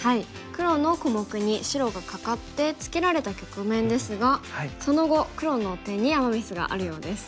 黒の小目に白がカカってツケられた局面ですがその後黒の手にアマ・ミスがあるようです。